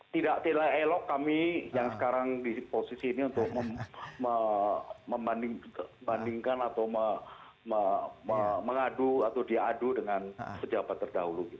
tidak tidak elok kami yang sekarang di posisi ini untuk membandingkan atau mengadu atau diadu dengan pejabat terdahulu